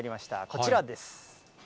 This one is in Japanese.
こちらです。